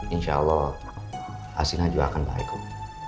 insya allah asinan juga akan baik kok